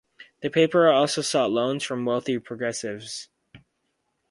The paper also sought loans from wealthy progressives.